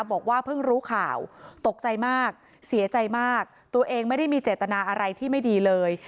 บอกว่าเพิ่งรู้ข่าวตกใจมากเสียใจมากตัวเองไม่ได้มีเจตนาอะไรที่ไม่ดีเลย